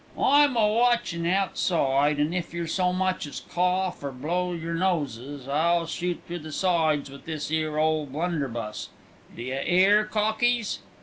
"I'm a watchin' outside, and if yer so much as cough or blow yer noses I'll shoot through the sides with this 'ere ole blunderbuss. D' ye 'ear, cockies?"